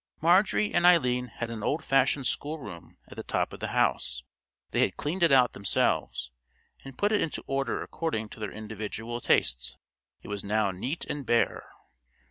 Marjorie and Eileen had an old fashioned schoolroom at the top of the house, They had cleaned it out themselves, and put it into order according to their individual tastes. It was now neat and bare.